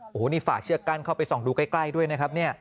โอ้โหนี่ฝ่าเชือกกั้นเข้าไปส่องดูใกล้ด้วยนะครับเนี่ย